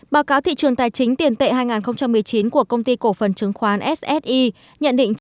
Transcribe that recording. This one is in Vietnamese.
báo cáo thị trường tài chính tiền tệ hai nghìn một mươi chín của công ty cổ phần chứng khoán sse nhận định